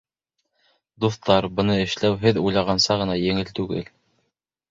Дуҫтар, быны эшләү һеҙ уйлайғанса ғына еңел түгел.